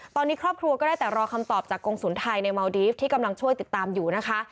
ตอนนี้ครอบครัวก็ได้แต่รอคำตอบจากกรงศูนย์ไทยในเมาดีฟที่กำลังช่วยติดตามอยู่นะคะ